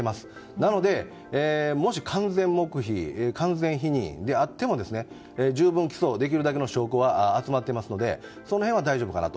なので、もし完全黙秘完全否認であっても十分、起訴できるだけの証拠は集まっていますのでその辺は大丈夫かなと。